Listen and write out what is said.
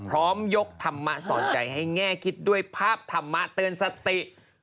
พร้อมยกธรรมะสอนใจให้แง่คิดด้วยภาพธรรมะเตือนสติ